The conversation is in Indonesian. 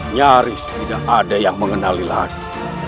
nyaris tidak ada yang mengenali lagi